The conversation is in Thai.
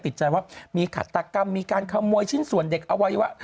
ติดใจว่ามีขาดตากรรมมีการขโมยชิ้นส่วนเด็กเอาไว้ว่า